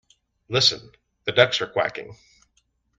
Listen! The ducks are quacking!